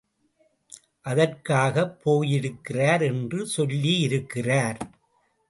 அதற்காகப் போயிருக்கிறார் என்று சொல்லியிருக்கிறார்.